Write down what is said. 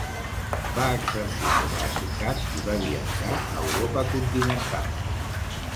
Va exercir com a advocat i va viatjar a Europa continental.